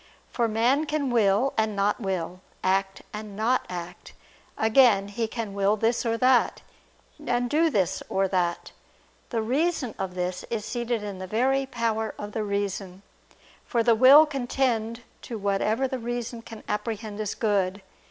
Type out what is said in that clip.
For man can will and not will, act and not act; again, he can will this or that, and do this or that. The reason of this is seated in the very power of the reason. For the will can tend to whatever the reason can apprehend as good.